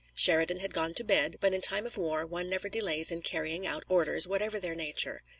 Sheridan had gone to bed, but in time of war one never delays in carrying out orders, whatever their nature.